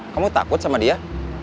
kamu takut sama dia